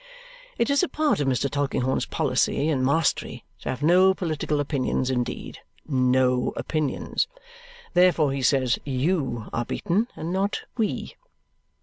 It is a part of Mr. Tulkinghorn's policy and mastery to have no political opinions; indeed, NO opinions. Therefore he says "you" are beaten, and not "we."